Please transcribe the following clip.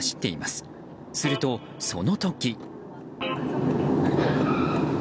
すると、その時。